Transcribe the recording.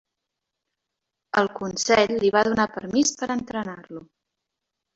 El consell li va donar permís per entrenar-lo.